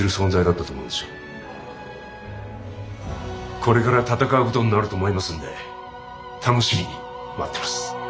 これから戦うことになると思いますんで楽しみに待ってます。